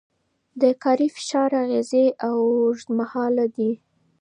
د کاري فشار اغېزې اوږدمهاله دي.